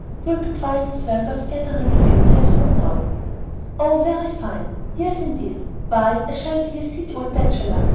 You'll be twice as well worth gathering a few years from now." "Oh, very fine! years indeed! Why, I shall be a seedy old bachelor!